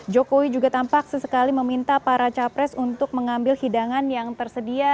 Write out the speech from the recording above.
jokowi juga tampak sesekali meminta para capres untuk mengambil hidangan yang tersedia